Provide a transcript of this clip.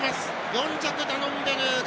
４着、ダノンベルーガ。